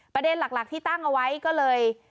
ประเด็นหลักที่ตั้งเอาไว้ก็เลย